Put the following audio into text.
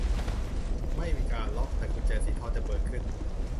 ไม่มีการล็อค แต่กุญแจสีทองจะเปิดขึ้น